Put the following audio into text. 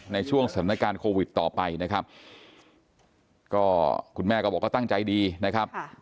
ในช่วงสถานการณ์โควิดต่อไปนะครับก็คุณแม่ก็บอกว่าตั้งใจดีนะครับ